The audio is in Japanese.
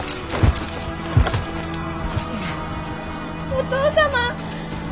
お父様。